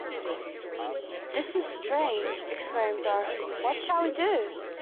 "This is strange," exclaimed Dorothy; "what shall we do?"